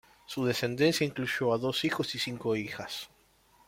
Su descendencia incluyó a dos hijos y cinco hijas.